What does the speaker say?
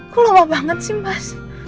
kok lama banget sih mas